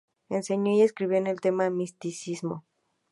Enseñó y escribió en el tema de misticismo.